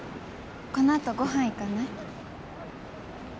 このあとご飯行かない？